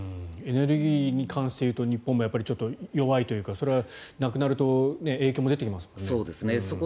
エネルギーに関して言うと日本も弱いというかそれはなくなると影響も出てきますもんね。